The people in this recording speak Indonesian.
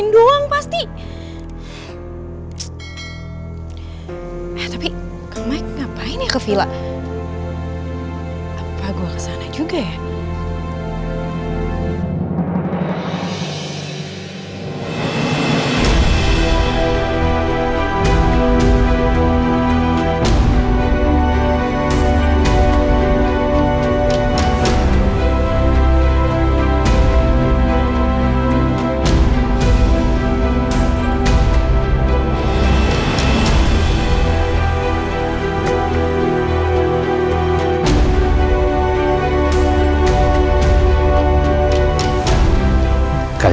dua mas gula hai lupa lupa tapi letak gas gas gas